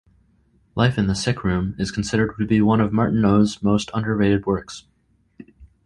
"Life in the Sickroom" is considered to be one of Martineau's most under-rated works.